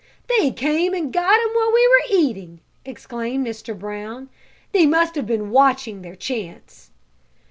"They came and got 'em while we were eating!" exclaimed Mr. Brown. "They must have been watching their chance."